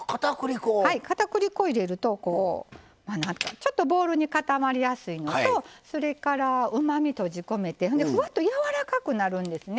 かたくり粉を入れるとちょっとボールに固まりやすいのとそれからうまみ閉じ込めてふわっとやわらかくなるんですね。